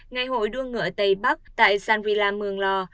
ngày hội đua ngựa tây bắc tại san vila mường lò